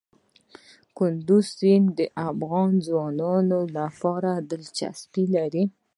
کندز سیند د افغان ځوانانو لپاره دلچسپي لري.